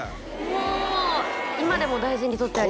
もう今でも大事に取ってあります